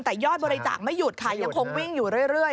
แต่ยอดบริจาคไม่หยุดค่ะยังคงวิ่งอยู่เรื่อย